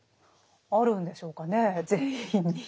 あるんでしょうかね全員に。